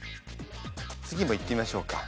次もいってみましょうか。